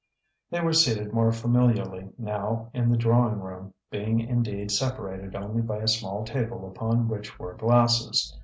They were seated more familiarly now in the drawing room, being indeed separated only by a small table upon which were glasses.